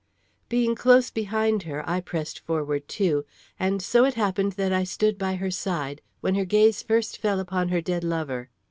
Being close behind her, I pressed forward too, and so it happened that I stood by her side when her gaze first fell upon her dead lover.